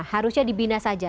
harusnya dibina saja